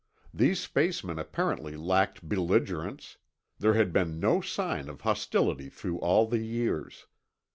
These spacemen apparently lacked belligerence; there had been no sign of hostility through all the years.